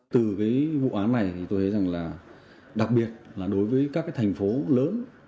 từ cái vụ án này thì tôi thấy rằng là đặc biệt là đối với các cái thành phố lớn